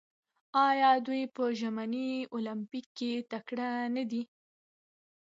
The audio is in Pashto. آیا دوی په ژمني المپیک کې تکړه نه دي؟